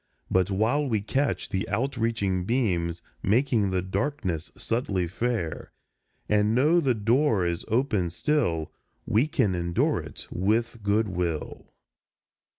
But while we catch the out reaching beams, Making the darkness subtly fair, And know the door is open still, We can endure it with goodwill.